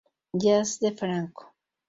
Jazz de Franco.